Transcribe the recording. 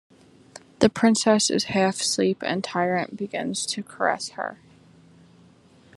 The princess is half sleep and Tirant begins to caress her.